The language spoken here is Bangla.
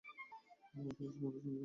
তাহলে আমাদের মধুচন্দ্রিমার কী হবে?